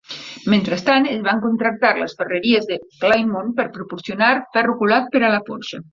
Mentrestant, es van contractar les ferreries de Plymouth per proporcionar ferro colat per a la forja.